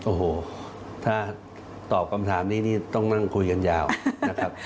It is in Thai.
โอ้โหถ้าตอบคำถามนี้นี่ต้องนั่งคุยกันยาวนะครับ